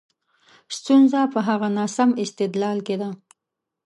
ستونزه په هغه ناسم استدلال کې ده.